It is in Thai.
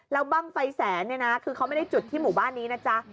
แล้วบ้างไฟแสนเนี่ยนะคือเขาไม่ได้จุดที่หมู่บ้านนี้นะจ๊ะ